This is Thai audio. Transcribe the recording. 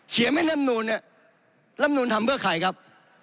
เขียนให้รัฐมนุนรัฐมนุนทำเพื่อใครครับ